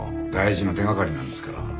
大事な手掛かりなんですから。